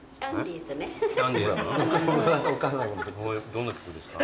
どんな曲ですか？